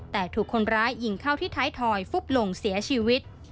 แต่ถูกคนร้ายยิงเข้าที่ท้ายถอยฟุบลงเสียชีวิต